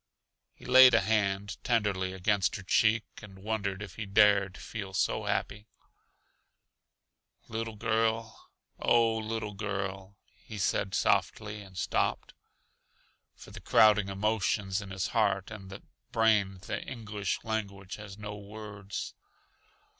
He laid a hand tenderly against her cheek and wondered if he dared feel so happy. "Little girl oh, little girl," he said softly, and stopped. For the crowding emotions in his heart and brain the English language has no words.